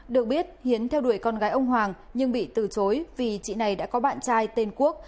được biết hiến theo đuổi con gái ông hoàng nhưng bị từ chối vì chị này đã có bạn trai tên quốc